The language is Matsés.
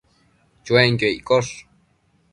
Chuenquio iccosh